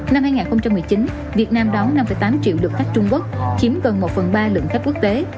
năm hai nghìn một mươi chín việt nam đón năm tám triệu lượt khách trung quốc chiếm gần một phần ba lượng khách quốc tế